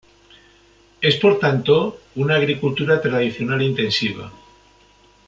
Es por tanto, una agricultura tradicional intensiva.